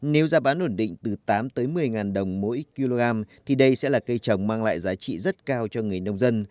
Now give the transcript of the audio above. nếu giá bán ổn định từ tám tới một mươi đồng mỗi kg thì đây sẽ là cây trồng mang lại giá trị rất cao cho người nông dân